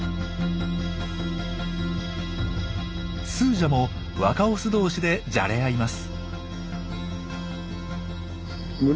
スージャも若オス同士でじゃれ合います。